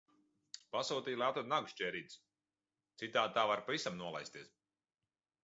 Pasūtīju lai atved nagu šķērītes, citādi tā var pavisam nolaisties.